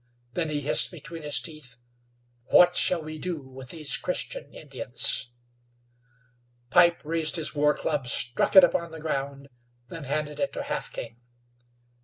Then he hissed between his teeth: "What shall we do with these Christian Indians?" Pipe raised his war club, struck it upon the ground; then handed it to Half King.